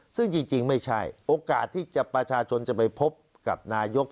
ซึ่งจริงไม่ใช่โอกาสที่ประชาชนจะไปพบกับนายก